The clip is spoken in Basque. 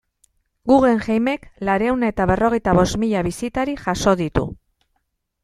Guggenheimek laurehun eta berrogeita bost mila bisitari jaso ditu.